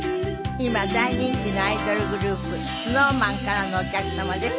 今大人気のアイドルグループＳｎｏｗＭａｎからのお客様です。